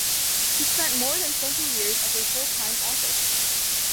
He then spent more than twenty years as a full-time author.